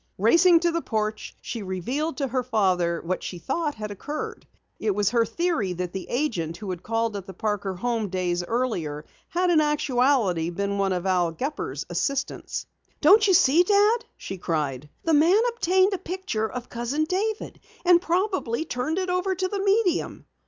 Racing to the porch, she revealed to her father what she thought had occurred. It was her theory that the agent who had called at the Parker home days earlier had in actuality been one of Al Gepper's assistants. "Don't you see, Dad!" she cried. "The man obtained a picture of Cousin David, and probably turned it over to the medium."